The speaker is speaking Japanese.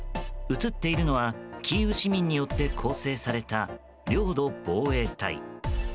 映っているのはキーウ市民によって構成された領土防衛隊。